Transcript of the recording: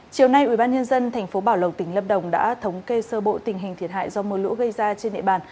chiều nay ubnd tp bảo lộc tỉnh lâm đồng đã thống kê sơ bộ tình hình thiệt hại do mưa lũ gây ra trên địa bàn